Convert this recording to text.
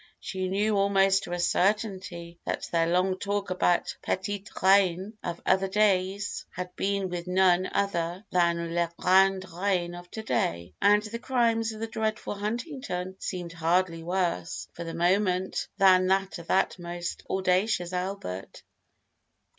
she knew almost to a certainty that their long talk about Petite Reine of other days had been with none other than La Grande Reine of to day, and the crimes of the dreadful Huntington seemed hardly worse, for the moment, than that of that most audacious Albert!